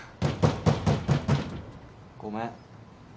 ・ごめん。